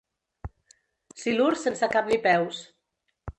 Silur sense cap ni peus.